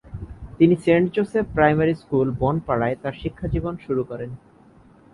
তিনি Saint Joseph primary school, বনপাড়ায় তার শিক্ষা জীবন শুরু করেন।